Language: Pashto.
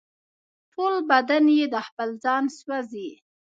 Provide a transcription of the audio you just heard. ټول بدن یې د خپل ځانه سوزي